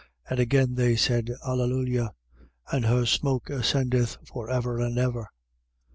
19:3. And again they said: Alleluia. And her smoke ascendeth for ever and ever.